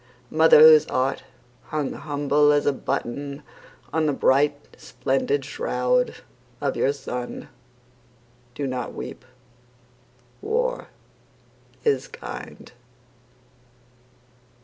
Mother whose heart hung humble as a button On the bright splendid shroud of your son, Do not weep. War is kind.